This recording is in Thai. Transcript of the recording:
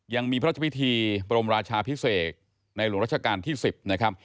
ยังมีพระราชพิธีบรมราชาพิเศษในหลวงราชการที่๑๐นะครับ